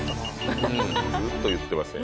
ずっと言ってますやん。